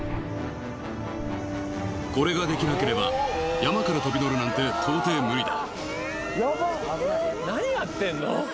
これができなければ山から飛び乗るなんて到底無理だ。